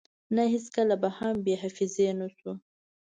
نه هیڅکله به هم بی حافظی نشو